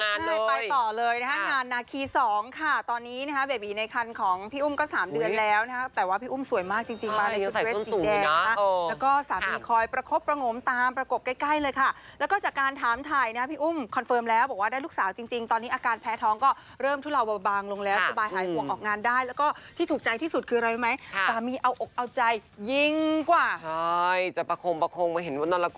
ใช่ไปต่อเลยนะครับงานหน้าคี๒ค่ะตอนนี้นะครับเบบีในคันของพี่อุ้มก็๓เดือนแล้วนะครับแต่ว่าพี่อุ้มสวยมากจริงมาในชุดเร็ดสีแดงแล้วก็สามีคอยประคบประโงมตามประกบใกล้เลยค่ะแล้วก็จากการถามถ่ายนะครับพี่อุ้มคอนเฟิร์มแล้วบอกว่าได้ลูกสาวจริงตอนนี้อาการแพ้ท้องก็เริ่มทุลาวบางลงแล